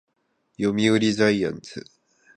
読売ジャイアンツ